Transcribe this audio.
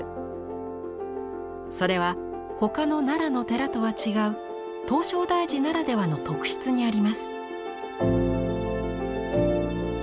それは他の奈良の寺とは違う唐招提寺ならではの特質にあります。